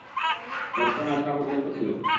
রক্ত না ঝরা পর্যন্ত খেলো!